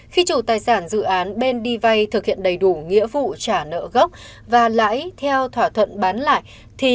khi chủ tài sản dự án bên đi vay thực hiện đầy đủ nghĩa vụ trả nợ gốc và lãi theo thỏa thuận bán lại